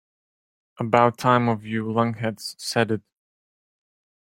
About time one of you lunkheads said it.